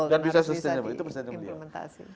dan bisa sustainable itu persennya beliau